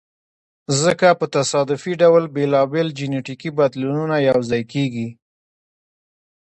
ځکه په تصادفي ډول بېلابېل جینټیکي بدلونونه یو ځای کیږي.